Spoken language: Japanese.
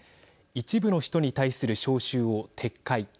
一部の人に対する招集を撤回。